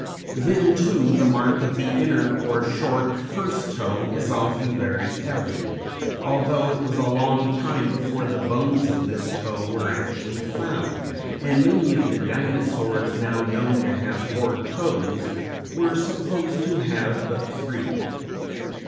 Then, too, the mark of the inner, or short first, toe, is often very evident, although it was a long time before the bones of this toe were actually found, and many of the Dinosaurs now known to have four toes were supposed to have but three.